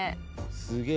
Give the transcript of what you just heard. すげえ！